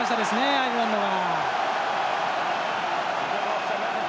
アイルランドが。